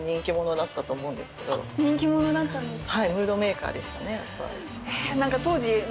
人気者だったんですか？